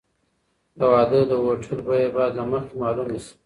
د واده د هوټل بیه باید له مخکې معلومه شي.